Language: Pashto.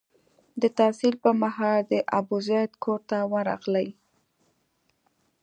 د تحصیل پر مهال د ابوزید کور ته ورغلی.